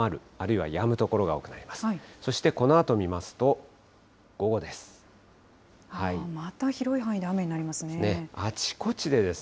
そしてこのあと見ますと、午後です。